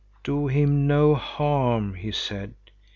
"Do him no harm," he said.